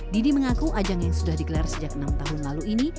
didi mengaku ajang yang sudah digelar sejak enam tahun lalu ini